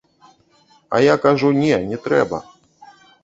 А я кажу не, не трэба.